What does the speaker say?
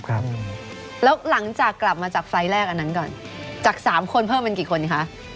ครับแล้วหลังจากกลับมาจากไฟล์แรกอันนั้นก่อนจากสามคนเพิ่มเป็นกี่คนคะ